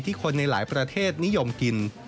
คนในหลายประเทศนิยมกิน